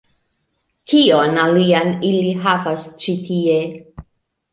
Kion alian ili havas ĉi tie